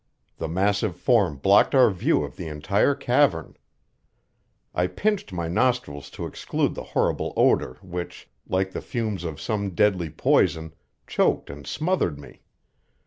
The massive form blocked our view of the entire cavern. I pinched my nostrils to exclude the horrible odor which, like the fumes of some deadly poison, choked and smothered me.